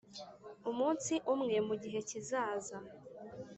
umunsi umwe mugihe kizaza